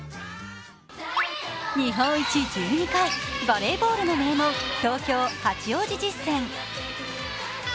日本一１２回、バレーボールの名門東京・八王子実践。